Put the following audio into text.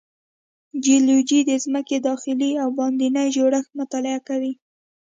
جیولوجی د ځمکې داخلي او باندینی جوړښت مطالعه کوي.